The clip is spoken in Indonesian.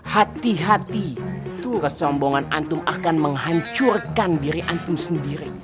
hati hati tuh kesombongan antum akan menghancurkan diri antum sendiri